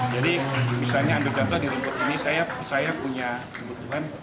jadi misalnya di rungkut ini saya punya kebutuhan